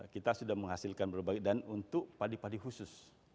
kita sudah menghasilkan berbagai dan untuk padi padi khusus